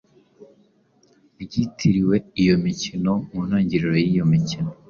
ryitiriwe iyo mikino. Mu ntangiriro y’iyo mikino,